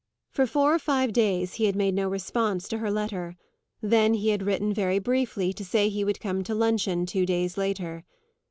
For four or five days he had made no response to her letter; then he had written, very briefly, to say he would come to luncheon two days later.